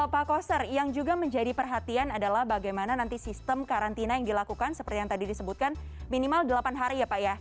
pak koster yang juga menjadi perhatian adalah bagaimana nanti sistem karantina yang dilakukan seperti yang tadi disebutkan minimal delapan hari ya pak ya